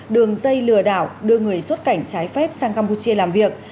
đường dây lừa đảo đưa người xuất cảnh trái phép sang campuchia làm việc